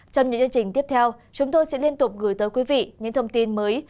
trong những chương trình tiếp theo chúng tôi sẽ liên tục gửi tới quý vị những thông tin mới